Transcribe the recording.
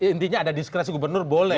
intinya ada diskresi gubernur boleh